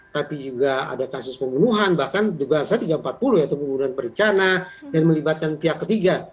tapi juga ada kasus pembunuhan bahkan juga aset tiga ratus empat puluh atau pembunuhan perencanaan yang melibatkan pihak ketiga